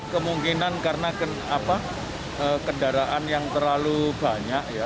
kemungkinan karena kendaraan yang terlalu banyak ya